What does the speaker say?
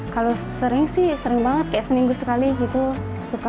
kalau sering sih sering banget kayak seminggu sekali gitu